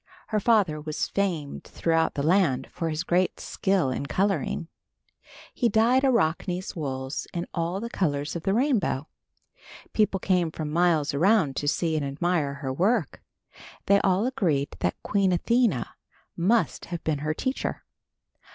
Her father was famed throughout the land for his great skill in coloring. He dyed Arachne's wools in all the colors of the rainbow. People came from miles around to see and admire her work. They all agreed that Queen Athena must have been her teacher.